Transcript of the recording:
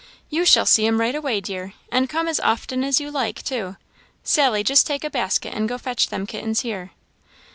"You shall see 'em right away, dear, and come as often as you like, too. Sally, just take a basket, and go fetch them kittens here."